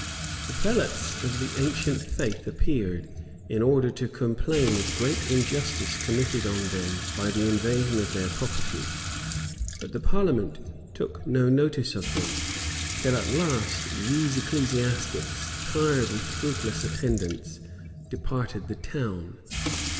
The prelates of the ancient faith appeared, in order to complain of great injustice committed on them by the invasion of their property, but the parliament took no notice of them; till at last these ecclesiastics, tired with fruitless attendance, departed the town.